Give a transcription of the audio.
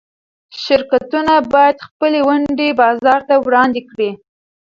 شرکتونه باید خپلې ونډې بازار ته وړاندې کړي.